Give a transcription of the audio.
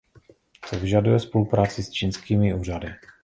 To vyžaduje spolupráci s čínskými úřady.